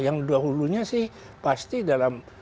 yang dahulunya sih pasti dalam